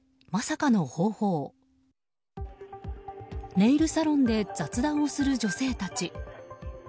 ネイルサロンで雑談をする女性たち。